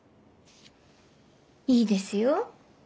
いいですよ。